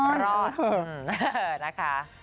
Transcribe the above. อร่อยนะคะ